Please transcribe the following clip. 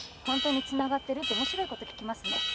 「本当につながってる？」って面白いこと聞きますね。